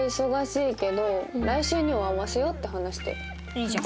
いいじゃん。